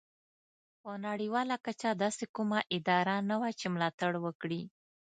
په نړیواله کچه داسې کومه اداره نه وه چې ملاتړ وکړي.